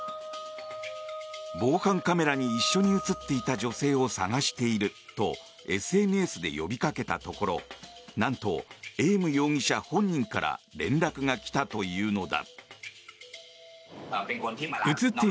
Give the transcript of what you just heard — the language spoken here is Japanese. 防犯カメラに一緒に映っていた女性を捜しているとＳＮＳで呼びかけたところなんと、エーム容疑者本人から連絡が来たというのだ。